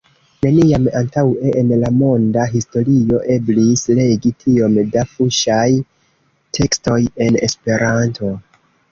Neniam antaŭe en la monda historio eblis legi tiom da fuŝaj tekstoj en Esperanto.